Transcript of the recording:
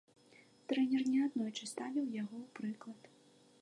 Трэнер не аднойчы ставіў яго ў прыклад.